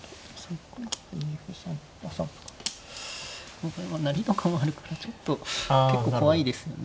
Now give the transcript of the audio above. この辺は成りとかもあるからちょっと結構怖いですよね。